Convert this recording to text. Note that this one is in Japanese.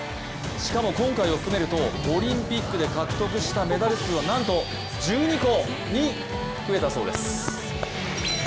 しかも今回を含めるとオリンピックで獲得したメダル数はなんと１２個に増えたそうです。